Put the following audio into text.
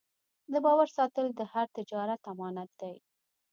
د باور ساتل د هر تجارت امانت دی.